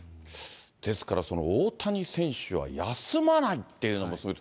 ですから大谷選手は休まないっていうのもすごい。